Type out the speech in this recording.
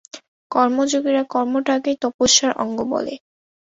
কর্মযোগীরা কর্মটাকেই তপস্যার অঙ্গ বলে।